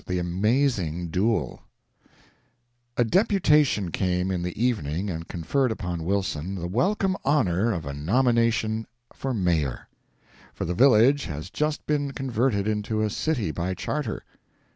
THE AMAZING DUEL A deputation came in the evening and conferred upon Wilson the welcome honor of a nomination for mayor; for the village has just been converted into a city by charter.